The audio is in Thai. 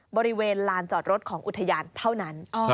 บริเวณลานจอดรถของอุทยานเท่านั้น